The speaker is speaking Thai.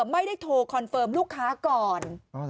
ไม่ได้โทรคอนเฟิร์มลูกค้าก่อน